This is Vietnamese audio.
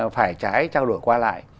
phải trái trao đổi qua lại